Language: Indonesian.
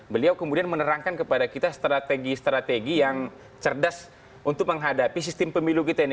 beliau kemudian menerangkan kepada kita strategi strategi yang cerdas untuk menghadapi sistem pemilu kita ini